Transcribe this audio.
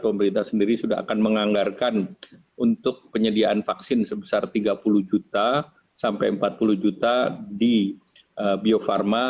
pemerintah sendiri sudah akan menganggarkan untuk penyediaan vaksin sebesar tiga puluh juta sampai empat puluh juta di bio farma